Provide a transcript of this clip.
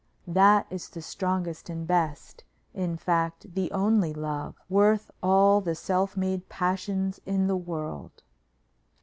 That is the strongest and best, in fact the only, love; worth all the self made passions in the world."